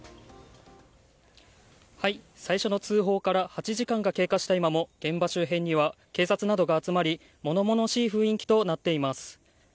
最初の通報から８時間が経過した今も現場周辺には警察などが集まり物々しい雰囲気となっています。